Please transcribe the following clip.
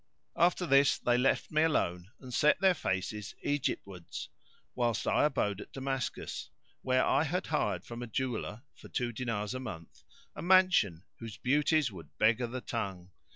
After this they left me alone and set their faces Egyptwards; whilst I abode at Damascus, where I had hired from a jeweller, for two dinars a month, a mansion[FN#585] whose beauties would beggar the tongue.